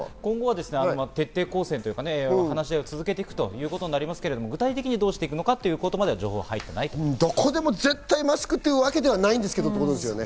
徹底抗戦というか、話し合いを続けていくということになりますけど、具体的にどうしていくかということまでは情どこでも常にマスクということではないんですけどね。